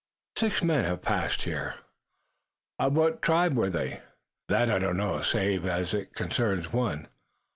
"Six men have passed here." "Of what tribe were they?" "That I do not know, save as it concerns one."